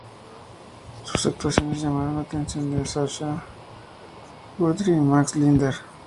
Sus actuaciones llamaron la atención de Sacha Guitry y Max Linder.